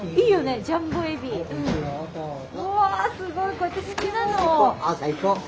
こうやって好きなのを。